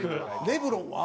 レブロンは？